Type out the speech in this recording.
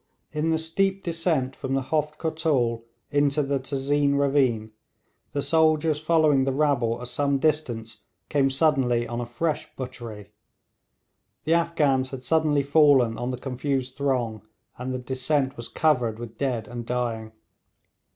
In the steep descent from the Huft Kotul into the Tezeen ravine, the soldiers following the rabble at some distance, came suddenly on a fresh butchery. The Afghans had suddenly fallen on the confused throng, and the descent was covered with dead and dying.